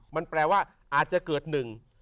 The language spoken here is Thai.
มันแปลว่าอาจจะเกิดหนึ่ง